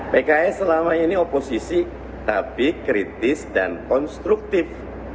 pks selama ini oposisi tapi kritis dan konstruktif